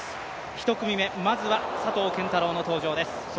１組目、まずは佐藤拳太郎の登場です。